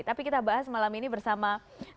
tapi kita bahas malam ini bersama